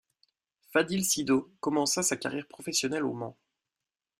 Fadil Sido commence sa carrière professionnelle au Mans.